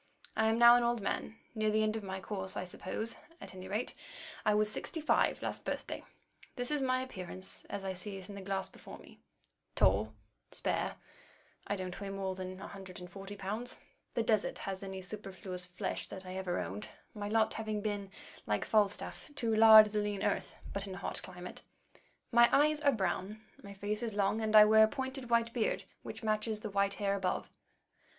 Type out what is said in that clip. I am now an old man, near the end of my course, I suppose; at any rate, I was sixty five last birthday. This is my appearance as I see it in the glass before me: tall, spare (I don't weigh more than a hundred and forty pounds—the desert has any superfluous flesh that I ever owned, my lot having been, like Falstaff, to lard the lean earth, but in a hot climate); my eyes are brown, my face is long, and I wear a pointed white beard, which matches the white hair above.